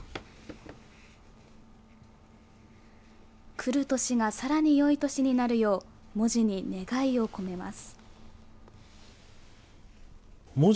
くる年がさらによい年になるよう文字に願いを込めます。